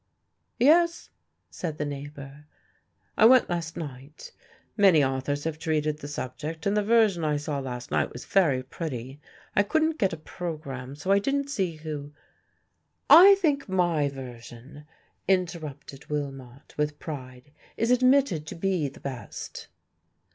"Yes," said the neighbour, "I went last night; many authors have treated the subject, and the version I saw last night was very pretty. I couldn't get a programme so I didn't see who " "I think my version," interrupted Willmott, with pride, "is admitted to be the best."